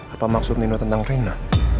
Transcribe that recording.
apa maksudnya tentang rina